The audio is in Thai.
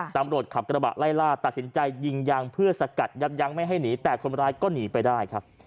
ตำรวจขับกระบะไล่ล่าตัดสินใจยิงยางเพื่อสกัดยับยั้งไม่ให้หนีแต่คนร้ายก็หนีไปได้ครับ